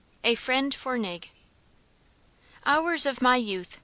A FRIEND FOR NIG. "Hours of my youth!